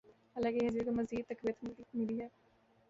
اللہ کی حیثیت کو مزید تقویت ملی ہے۔